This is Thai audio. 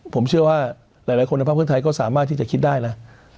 ผมเชื่อว่าหลายคนในภาคเพื่อไทยก็สามารถที่จะคิดได้นะ